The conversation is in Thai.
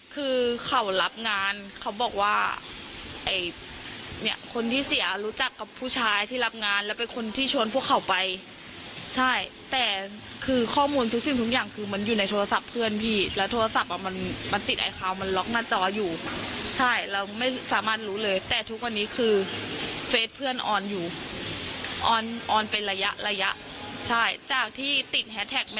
คือเขารับงานเขาบอกว่าไอ้เนี่ยคนที่เสียรู้จักกับผู้ชายที่รับงานแล้วเป็นคนที่ชวนพวกเขาไปใช่แต่คือข้อมูลทุกสิ่งทุกอย่างคือมันอยู่ในโทรศัพท์เพื่อนพี่แล้วโทรศัพท์อ่ะมันมันติดไอคาวมันล็อกหน้าจออยู่ใช่เราไม่สามารถรู้เลยแต่ทุกวันนี้คือเฟสเพื่อนออนอยู่ออนออนเป็นระยะระยะใช่จากที่ติดแฮ็